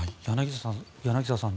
柳澤さん